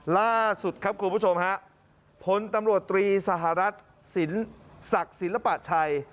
ล่าสุดครับคุณผู้ชมฮะพลตำรวจตรีสหรัฐศักดิ์ศิลปะชัย